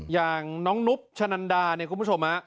อย่างน้องนุ๊ปชะนันดาคุณผู้ชม